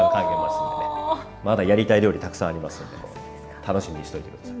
まだやりたい料理たくさんありますんで楽しみにしといて下さい！